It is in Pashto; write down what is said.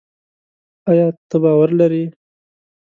ایا ته باور لري؟